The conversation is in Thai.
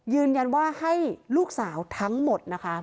ยืนยันว่าให้ลูกสาวทั้งหมดนะคะ